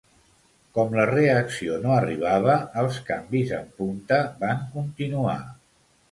Com la reacció no arribava, els canvis en punta van continuar.